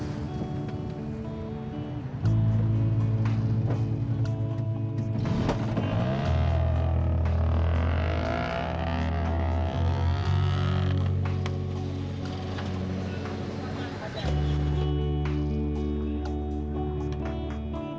tientang diselutnya sama kittens ga